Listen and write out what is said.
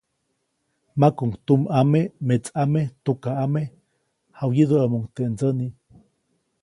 Makuʼuŋ tumʼame, metsʼame, tukaʼame, jawyiduʼämuŋ teʼ ndsäni.